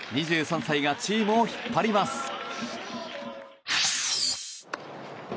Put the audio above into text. ２３歳がチームを引っ張ります。